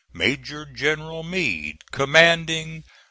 MAJOR GENERAL MEADE, Commanding A.